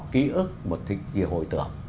ký ức một cái gì hồi tưởng